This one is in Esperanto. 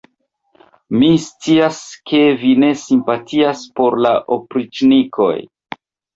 Mi scias, ke vi ne simpatias por la opriĉnikoj!